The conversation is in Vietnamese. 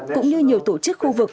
cũng như nhiều tổ chức khu vực